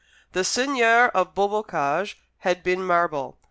The seigneur of Beaubocage had been marble.